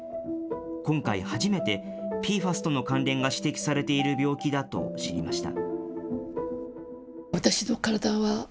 今回初めて、ＰＦＡＳとの関連が指摘されている病気だと知りました。